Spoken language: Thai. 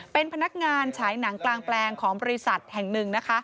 เป็นพนักงานฉายหนังกลางแปลงของบริษัทแห่งหนึ่งนะคะ